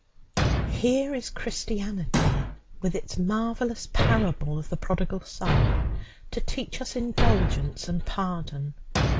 Here is Christianity with its marvellous parable of the Prodigal Son to teach us indulgence and pardon.